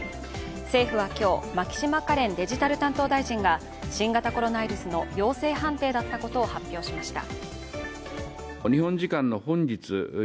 政府は今日、牧島かれんデジタル担当大臣が新型コロナウイルスの陽性判定だったことを発表しました。